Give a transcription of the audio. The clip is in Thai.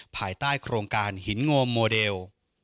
ภายใต้โครงการหินโงมโมเดล